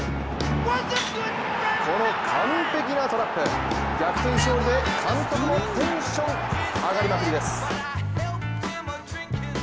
この完璧なトラップ逆転勝利で監督もテンション上がりまくりです。